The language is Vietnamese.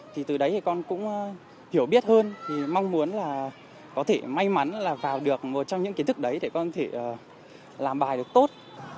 thì từ đấy thì con cũng hiểu biết hơn thì mong muốn là có thể may mắn là vào được một trong những kiến thức đấy để con có thể làm bài được tốt